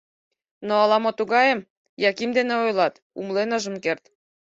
Но ала-мом тугайым Яким дене ойлат, умылен ыжым керт.